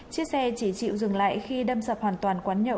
chiếc xe chỉ chịu dừng lại khi đâm sập hoàn toàn quản lý